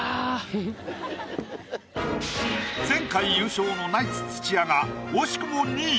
前回優勝のナイツ・土屋が惜しくも２位。